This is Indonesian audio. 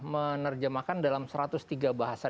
menerjemahkan dalam satu ratus tiga bahasa